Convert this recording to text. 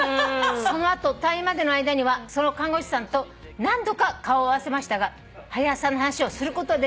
「その後退院までの間にはその看護師さんと何度か顔を合わせましたが『はや朝』の話をすることはできませんでした」